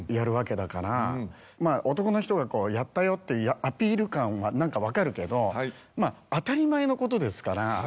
男の人が「やったよ」っていうアピール感は何か分かるけどまぁ当たり前のことですから。